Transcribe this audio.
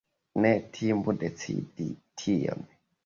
Ne timu decidi tion!